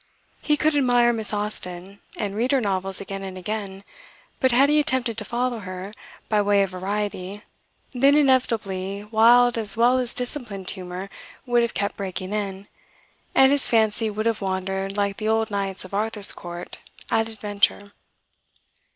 He could admire Miss Austen, and read her novels again and again; but had he attempted to follow her, by way of variety, then inevitably wild as well as disciplined humour would have kept breaking in, and his fancy would have wandered like the old knights of Arthur's Court, "at adventure."